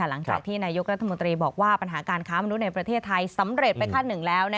หลังจากที่นายกรัฐมนตรีบอกว่าปัญหาการค้ามนุษย์ในประเทศไทยสำเร็จไปขั้นหนึ่งแล้ว